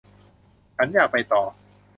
ฉันอยากไปต่อ